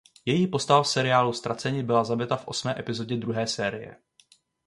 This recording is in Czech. Její postava v seriálu "Ztraceni" byla zabita v osmé epizodě druhé série.